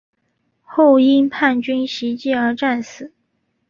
后因叛军袭击而战死。